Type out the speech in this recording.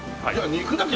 肉だけ。